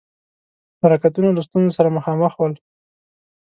حرکتونه له ستونزو سره مخامخ ول.